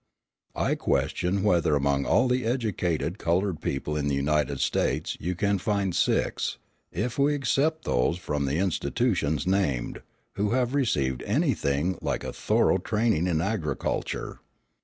I question whether among all the educated coloured people in the United States you can find six, if we except those from the institutions named, who have received anything like a thorough training in agriculture.